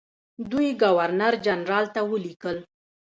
دوی ګورنرجنرال ته ولیکل.